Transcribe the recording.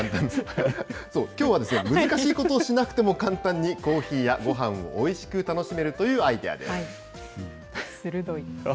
そう、きょうは難しいことをしなくても簡単にコーヒーやごはんをおいしく楽しめるというアイ鋭い。